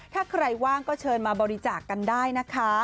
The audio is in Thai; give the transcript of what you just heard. ถ้าใครว่างก็เชิญมาบริจาคกันได้นะคะ